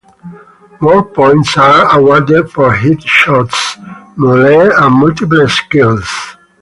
More points are awarded for headshots, melee and multiple kills.